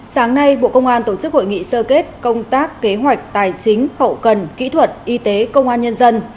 sáng nay bộ công an tổ chức hội nghị sơ kết công tác kế hoạch tài chính hậu cần kỹ thuật y tế công an nhân dân